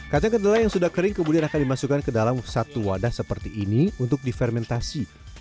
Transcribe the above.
kacang kedelai yang sudah kering kemudian akan dimasukkan ke dalam satu wadah seperti ini untuk difermentasi